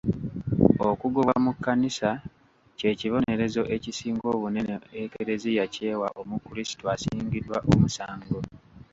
Okugobwa mu kkanisa ky'ekibonerezo ekisinga obunene e Kleziya ky'ewa omukrisitu asingiddwa omusango.